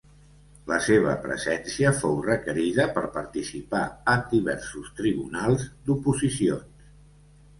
La seva presència fou requerida per participar en diversos tribunals d’oposicions.